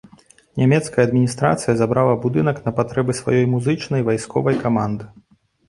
Нямецкая адміністрацыя забрала будынак на патрэбы сваёй музычнай вайсковай каманды.